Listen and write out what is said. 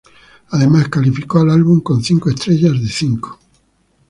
Además, calificó al álbum con cinco estrellas de cinco.